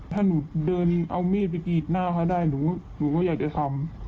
ถ้าหนูเดินเอามีดไปกรีดหน้าเขาได้หนูก็อยากจะทำ